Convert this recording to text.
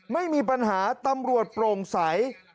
ไม่มีปัญหาตำรวจโปร่งใส